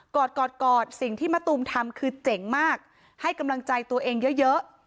อดกอดกอดสิ่งที่มะตูมทำคือเจ๋งมากให้กำลังใจตัวเองเยอะเยอะ